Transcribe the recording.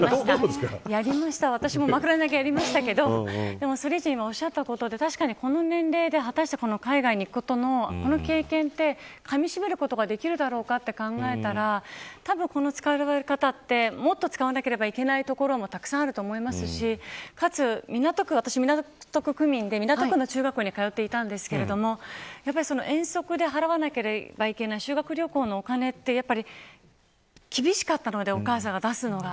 やりました、私も枕投げやりましたけど今おっしゃったことこの年齢で果たして海外に行くことの経験をかみしめることができるだろうかと考えたらたぶん、この使われ方ってもっと使われなければいけないところもあると思いますしかつ、私は港区民で港区の中学に通っていたんですけど遠足で払わなければいけない修学旅行のお金って厳しかったのでお母さんが出すのが。